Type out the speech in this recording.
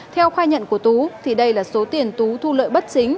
theo khai nhận của tú thì đây là số tiền tú thu lợi bất chính